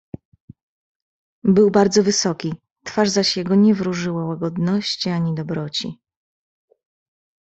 "Był bardzo wysoki, twarz zaś jego nie wróżyła łagodności, ani dobroci."